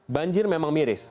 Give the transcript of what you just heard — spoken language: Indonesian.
banjir memang miris